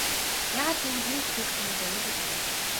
Яагаад гэвэл энэ клуб танд зориулагдаагүй.